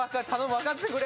分かってくれ！